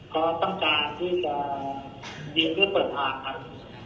ก็ต้องการที่จะยิงเครื่องเปิดพลาดครับ